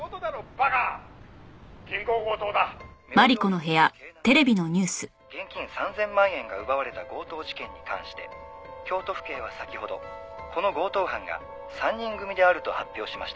「明星銀行京南支店から現金３０００万円が奪われた強盗事件に関して京都府警は先ほどこの強盗犯が３人組であると発表しました」